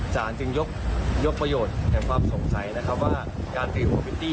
สารจึงยกยกประโยชน์แห่งความสงใจนะครับว่าการถือ